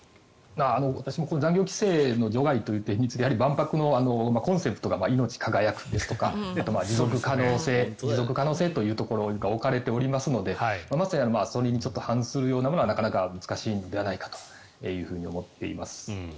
残業規制の除外ということで万博のコンセプトがいのち輝くですとか持続可能性というところが置かれておりますのでまさにそれに反するようなものはなかなか難しいんではないかと思っております。